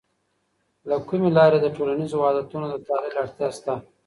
له کومې لاري د ټولنیزو وحدتونو د تحلیل اړتیا سته؟